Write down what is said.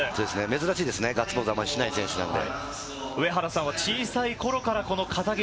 珍しいですね、あまりガッツポーズしない選手なんで。